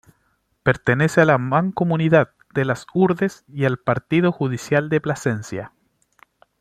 Pertenece a la mancomunidad de Las Hurdes y al Partido Judicial de Plasencia.